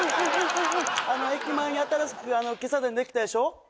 あの駅前に新しく喫茶店できたでしょ？